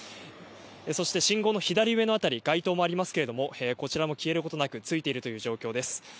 そして信号の左上のあたり街頭がありますけどこちらも消えることがなくついている状況です。